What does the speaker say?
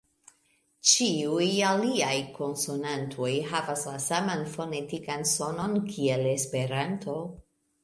Ĉiuj aliaj konsonantoj havas la saman fonetikan sonon kiel Esperanto